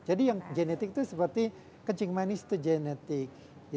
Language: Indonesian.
jadi yang genetik itu seperti kencing manis itu genetik